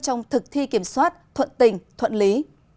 trong thực thi kiểm soát thuận tỉnh thuận lý